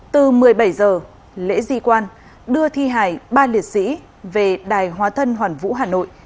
từ một mươi bảy h lễ di quan đưa thi hài ba liệt sĩ về đài hóa thân hoàn vũ hà nội